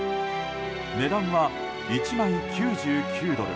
値段は１枚９９ドル